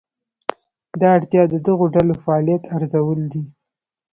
دا اړتیا د دغو ډلو فعالیت ارزول دي.